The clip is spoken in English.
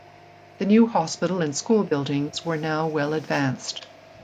The new hospital and school buildings were now well advanced.